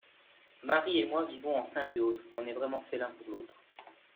Marie et moi vivons en symbiose, on est vraiment fait l'un pour l'autre.